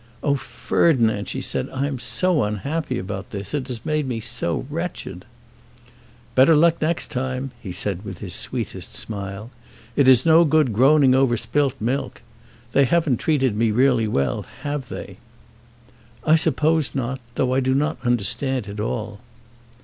"Oh, Ferdinand," she said, "I am so unhappy about this. It has made me so wretched!" "Better luck next time," he said with his sweetest smile. "It is no good groaning over spilt milk. They haven't treated me really well, have they?" "I suppose not, though I do not quite understand it all."